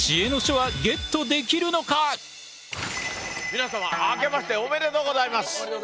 皆様明けましておめでとうございます。